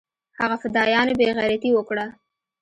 هغه فدايانو بې غيرتي اوکړه.